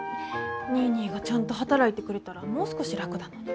ニーニーがちゃんと働いてくれたらもう少し楽だのに。